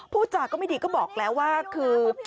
พูดจาก็ไม่ดีก็บอกแล้วว่าคือ